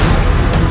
kemana dia uhh